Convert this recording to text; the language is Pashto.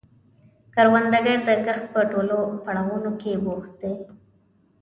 کروندګر د کښت په ټولو پړاوونو کې بوخت دی